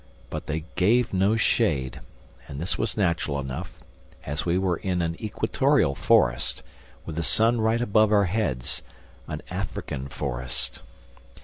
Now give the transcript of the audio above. But they gave no shade. And this was natural enough, as we were in an equatorial forest, with the sun right above our heads, an African forest.